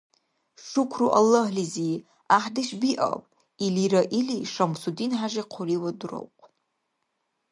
– Шукру Аллагьлизи, гӀяхӀдеш биаб, - илира или, ШамсудинхӀяжи хъуливад дуравхъун.